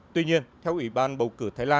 tuy nhiên theo ủy ban bầu cử